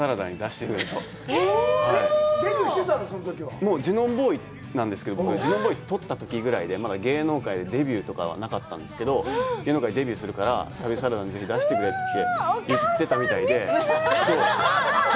もうジュノンボーイなんですけど僕、ジュノンボーイを取ったときぐらいで、まだ芸能界でデビューとかはなかったんですけど、芸能界デビューするから、旅サラダに出してくれって言ってたみたいで。